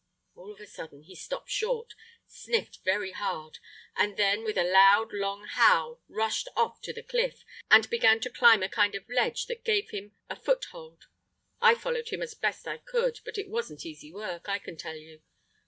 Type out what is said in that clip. All of a sudden he stopped short, sniffed very hard, and then with a loud, long howl rushed off to the cliff, and began to climb a kind of ledge that gave him a foothold. I followed him as best I could; but it wasn't easy work, I can tell you.